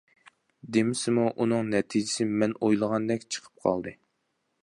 دېمىسىمۇ ئۇنىڭ نەتىجىسى مەن ئويلىغاندەك چىقىپ قالدى.